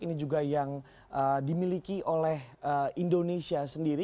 ini juga yang dimiliki oleh indonesia sendiri